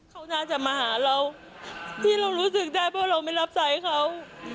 เขาน่าจะมาหาเราที่เรารู้สึกได้เพราะเราไม่รับใจเขา